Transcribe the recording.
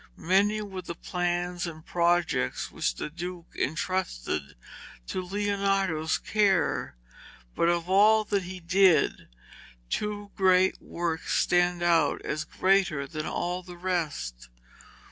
Many were the plans and projects which the Duke entrusted to Leonardo's care, but of all that he did, two great works stand out as greater than all the rest.